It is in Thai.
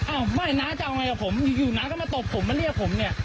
อ้าวไม่น้าจะเอาไงกับผมอยู่น้าก็มาตบผมมาเรียกผมเนี่ย